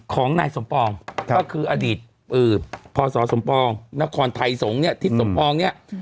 ของนายสมปองก็คืออดีตพศสมปองนครไทยสงฆ์เนี่ยทิศสมปองเนี่ย